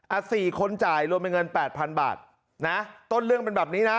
อ่ะสี่คนจ่ายรวมเป็นเงินแปดพันบาทนะต้นเรื่องเป็นแบบนี้นะ